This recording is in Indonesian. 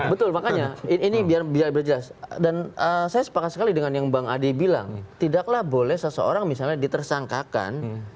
betul makanya ini biar jelas dan saya sepakat sekali dengan yang bang adi bilang tidaklah boleh seseorang misalnya ditersangkakan